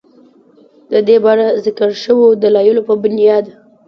ددې بره ذکر شوو دلايلو پۀ بنياد